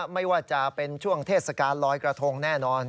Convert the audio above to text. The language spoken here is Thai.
ไม่ว่าจะเป็นช่วงเทศกาลลอยกระทงแน่นอน